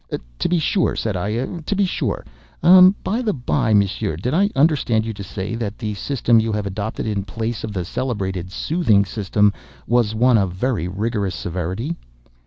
"To be sure," said I,—"to be sure. By the bye, Monsieur, did I understand you to say that the system you have adopted, in place of the celebrated soothing system, was one of very rigorous severity?"